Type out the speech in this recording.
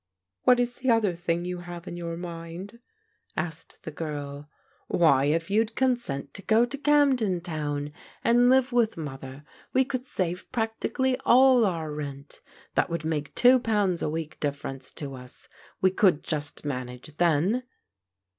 "What is the other thing you have in your mmd?" asked the girl. " Why, if you'd consent to go to Camden Town and live with Mother we could save practically all our rent That would make two pounds a week difference to us. We could just manage then."